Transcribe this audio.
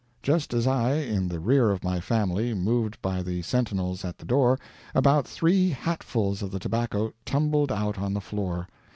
Just as I, in the rear of my family, moved by the sentinels at the door, about three hatfuls of the tobacco tumbled out on the floor.